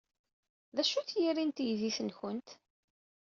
D acu-t yiri n teydit-nwent?